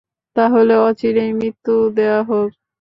তাহলে অচিরেই মৃত্যু দেয়া হোক।